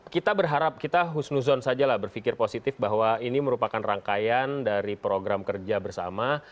kita berharap kita husnuzon sajalah berpikir positif bahwa ini merupakan rangkaian dari program kerja bersama